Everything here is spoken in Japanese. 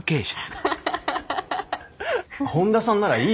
本田さんならいい